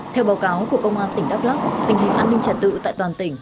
theo báo cáo của công an tỉnh đắp lắp tình hình an ninh trả tự tại toàn tỉnh